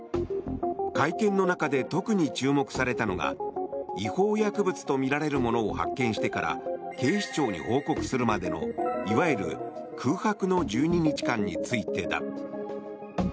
会見の中で特に注目されたのが違法薬物とみられるものを発見してから警視庁に報告するまでのいわゆる空白の１２日間についてだ。